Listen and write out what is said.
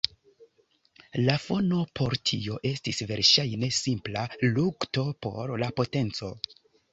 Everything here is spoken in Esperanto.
La fono por tio estis verŝajne simpla lukto por la potenco.